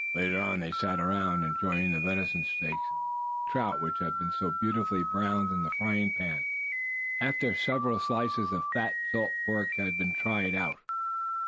Later on, they sat around enjoying the venison steaks, and the trout which had been so beautifully browned in the frying pan, after several slices of fat salt pork had been "tried out."